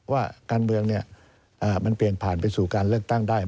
ว่าการเมืองมันเปลี่ยนผ่านไปสู่การเลือกตั้งได้